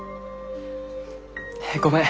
ごめん。